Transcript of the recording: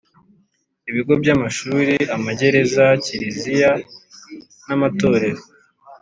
Ibigo by’amashuri amagereza Kiliziya n’amatorero